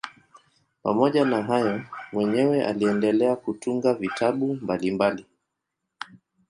Pamoja na hayo mwenyewe aliendelea kutunga vitabu mbalimbali.